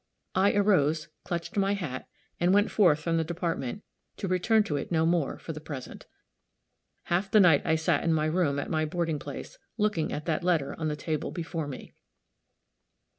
I arose, clutched my hat, and went forth from the Department, to return to it no more, for the present. Half the night I sat in my room at my boarding place, looking at that letter on the table before me.